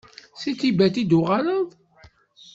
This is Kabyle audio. Seg Tibet i d-tuɣaleḍ?